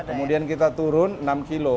kemudian kita turun enam kilo